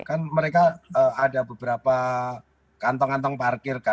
kan mereka ada beberapa kantong kantong parkir